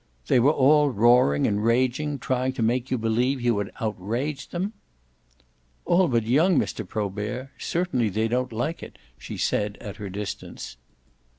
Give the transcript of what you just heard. "They were all there roaring and raging, trying to make you believe you had outraged them?" "All but young Mr. Probert. Certainly they don't like it," she said at her distance.